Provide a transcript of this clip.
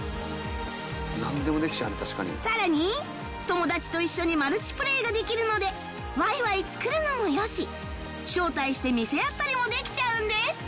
さらに友達と一緒にマルチプレイができるのでワイワイ作るのもよし招待して見せ合ったりもできちゃうんです